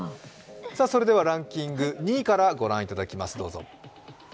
それではランキング２位からご覧いただきます。